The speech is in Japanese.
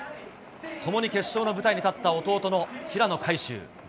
共に決勝の舞台に立った弟の平野海祝。